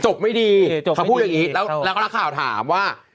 ไม่ดีเขาพูดอย่างนี้แล้วก็นักข่าวถามว่า